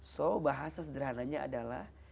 so bahasa sederhananya adalah